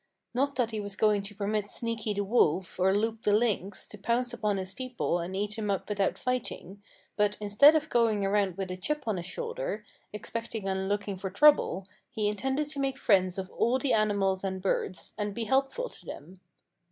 Not that he was going to permit Sneaky the Wolf or Loup the Lynx to pounce upon his people and eat them up without fighting, but instead of going around with a chip on his shoulder, expecting and looking for trouble, he intended to make friends of all the animals and birds, and be helpful to them.